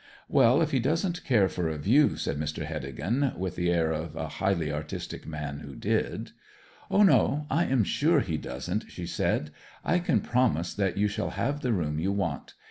'Well, if he doesn't care for a view,' said Mr. Heddegan, with the air of a highly artistic man who did. 'O no I am sure he doesn't,' she said. 'I can promise that you shall have the room you want.